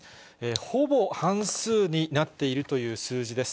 ほぼ半数になっているという数字です。